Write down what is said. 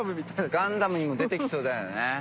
『ガンダム』にも出て来そうだよね。